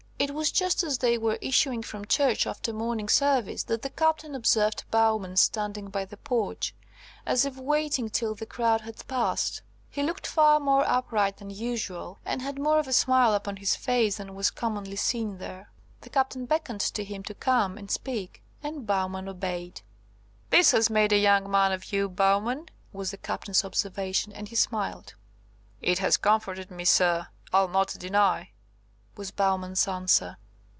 It was just as they were issuing from church after morning service, that the Captain observed Bowman standing by the porch, as if waiting till the crowd had passed. He looked far more upright than usual, and had more of a smile upon his face than was commonly seen there. The Captain beckoned to him to come and speak, and Bowman obeyed. "This has made a young man of you, Bowman," was the Captain's observation, and he smiled. "It has comforted me, Sir, I'll not deny," was Bowman's answer.